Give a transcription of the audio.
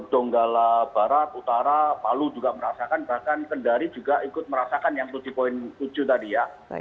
donggala barat utara palu juga merasakan bahkan kendari juga ikut merasakan yang tujuh tujuh tadi ya